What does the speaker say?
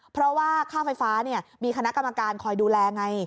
เพราะว่าค่าไฟฟ้ามีคณะกรรมการคอยดูแลไง